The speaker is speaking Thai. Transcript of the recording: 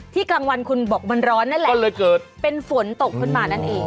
กลางวันคุณบอกมันร้อนนั่นแหละก็เลยเกิดเป็นฝนตกขึ้นมานั่นเอง